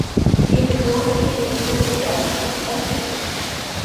He was born in Innsbruck, Austria.